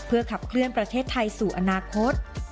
ขับเคลื่อนประเทศไทยสู่อนาคต